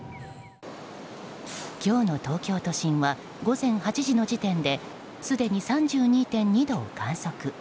今日の東京都心は午前８時の時点ですでに３２．２度を観測。